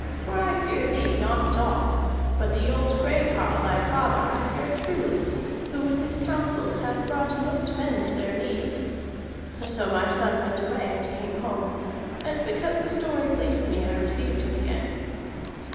For I fear thee not at all, but the old gray carle, thy father, I fear truly, who with his counsels hath brought most men to their knees.' So my son went away, and came home, and because the story pleased me I received him again."